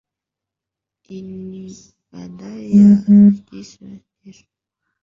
hii ni idhaa ya kiswahili ya radio france international